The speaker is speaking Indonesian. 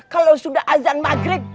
kalau sudah azan maghrib